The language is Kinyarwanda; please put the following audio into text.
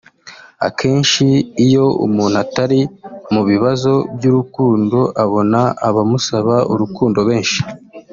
Akenshi iyo umuntu ari mu bibazo by’urukundo abona abamusaba urukundo benshi